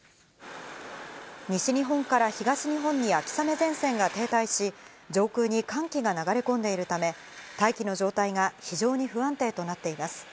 西日本から東日本に秋雨前線が停滞し、上空に寒気が流れ込んでいるため、大気の状態が非常に不安定となっています。